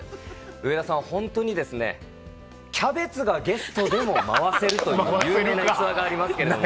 上田さんはホントにキャベツがゲストでも回せるという有名な逸話がありますけれども。